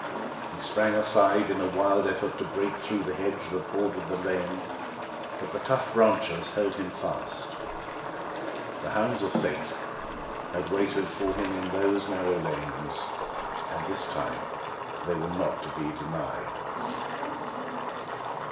He sprang aside in a wild effort to break through the hedge that bordered the lane, but the tough branches held him fast. The hounds of Fate had waited for him in those narrow lanes, and this time they were not to be denied.